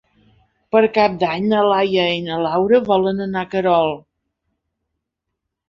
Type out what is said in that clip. Per Cap d'Any na Laia i na Laura volen anar a Querol.